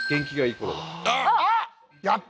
あっ！